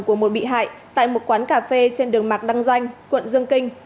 của một bị hại tại một quán cà phê trên đường mạc đăng doanh quận dương kinh